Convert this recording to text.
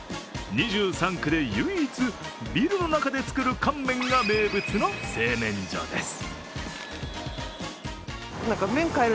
２３区で唯一、ビルの中で作る乾麺が名物の製麺所です。